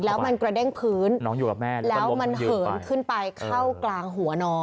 แล้วมันกระเด้งพื้นแล้วมันเหินขึ้นไปเข้ากลางหัวน้อง